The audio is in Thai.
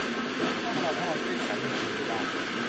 ตลอดทั้งวัน เกร็กสันยังคงอยู่ในบ้าน